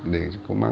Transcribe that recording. để có mặt